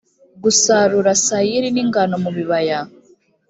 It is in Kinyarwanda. gusarura sayiri n ingano mu bibaya